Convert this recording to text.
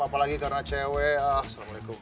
apalagi karena cewek assalamualaikum